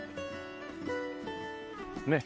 ねっ。